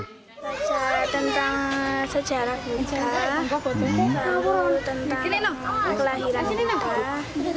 belajar tentang sejarah buddha tentang kelahiran buddha